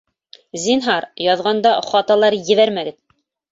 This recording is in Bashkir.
Зинһар, яҙғанда хаталар ебәрмәгеҙ